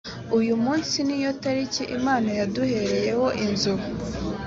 uyu munsi niyo tariki imana yaduhereyeho inzu